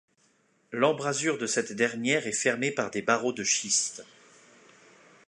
L'embrasure de cette dernière est fermée par des barreaux de schiste.